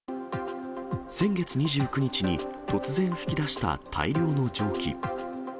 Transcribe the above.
先月２９日に突然噴き出した大量の蒸気。